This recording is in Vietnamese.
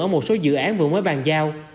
ở một số dự án vừa mới bàn giao